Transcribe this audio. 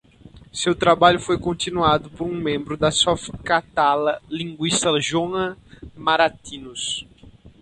Seu trabalho foi continuado por um membro da Softcatalà, linguista Joan Moratinos.